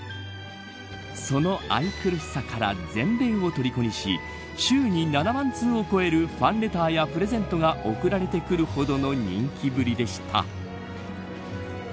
その愛くるしさから全米を虜にし週に７万通を超えるファンレターやプレゼントが贈られてくるほどの人気ぶりでした。